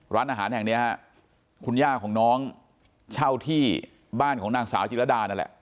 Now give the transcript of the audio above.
ร้านอาหารแห่งนี้ฮะคุณย่าของน้องเช่าที่บ้านของนางสาวจิรดานั่นแหละ